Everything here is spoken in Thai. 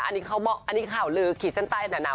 อันนี้เขาเหมาะอันนี้ข่าวลื้อขีดเส้นใต้หนาว